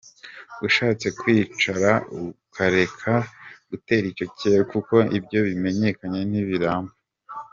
ushatse wakwicara ukareka gutera icyocyere kuko ibyo bimenyane ntibiramba!!.